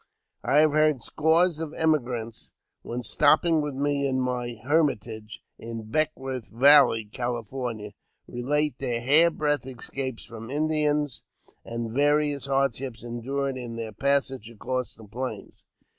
I have heard scores of emigrants (when stopping with me in my "hermitage," in Beckwourth Valley, California) relate their hairbreadth escapes from Indians, and various hardships endured in their passage across the Plains.